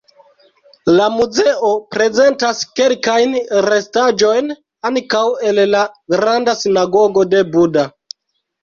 La muzeo prezentas kelkajn restaĵojn ankaŭ el la "granda sinagogo de Buda".